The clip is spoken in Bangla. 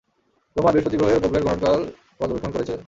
রোমার বৃহঃস্পতি গ্রহের উপগ্রহের গ্রহণকাল পর্যবেক্ষণ করেছিলেন।